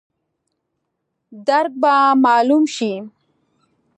درک به مالوم شي.